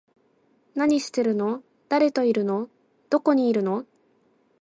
何してるの？誰といるの？どこにいるの？